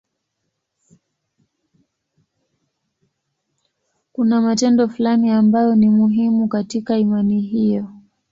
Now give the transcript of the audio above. Kuna matendo fulani ambayo ni muhimu katika imani hiyo.